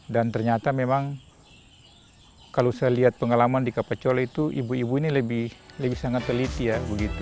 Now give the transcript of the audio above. dan ternyata memang kalau saya lihat pengalaman di kapacola itu ibu ibu ini lebih sangat teliti ya begitu